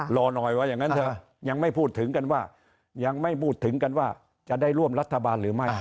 รอน่อยว่าอย่างนั้นเถอะยังไม่พูดถึงกันว่าจะได้ร่วมรัฐบาลหรือไม่